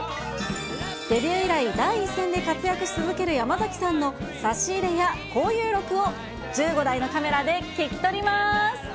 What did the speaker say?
デビュー以来、第一線で活躍し続ける山崎さんの差し入れや交友録を１５台のカメラで聞き撮ります。